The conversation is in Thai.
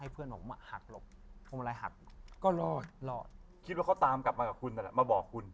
พอลืมตามมาก็คือ